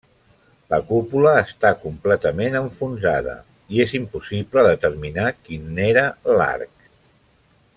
La cúpula està completament enfonsada i és impossible determinar quin n'era l'arc.